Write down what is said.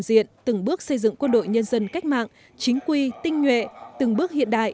diện từng bước xây dựng quân đội nhân dân cách mạng chính quy tinh nhuệ từng bước hiện đại